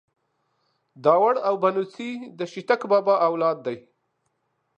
داوړ او بنوڅي ده شيتک بابا اولاد دې.